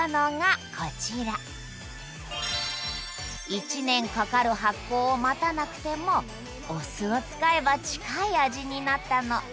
１年かかる発酵を待たなくてもお酢を使えば近い味になったの。